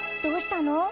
どうしたの？